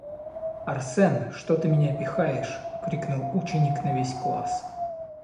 "Арсен! Что ты меня пихаешь!?" - Крикнул ученик на весь класс.